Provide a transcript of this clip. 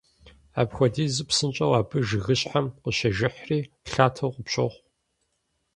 Апхуэдизу псынщӏэу абы жыгыщхьэм къыщежыхьри, лъатэу къыпщохъу.